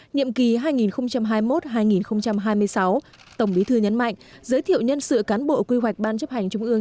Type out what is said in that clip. nhiệm kỳ hai nghìn hai mươi một hai nghìn hai mươi sáu tổng bí thư nhấn mạnh giới thiệu nhân sự cán bộ quy hoạch ban chấp hành trung ương